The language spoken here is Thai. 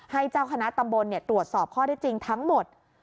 เจ้าคณะตำบลตรวจสอบข้อได้จริงทั้งหมด